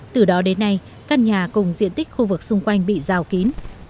từ đó đến nay căn nhà cùng diện tích khu vực xung quanh bị rào kín